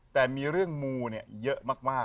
แต่มีเรื่องมูเยอะมาก